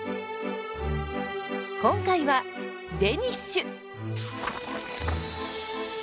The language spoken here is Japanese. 今回はデニッシュ！